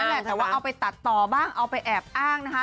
แหละแต่ว่าเอาไปตัดต่อบ้างเอาไปแอบอ้างนะคะ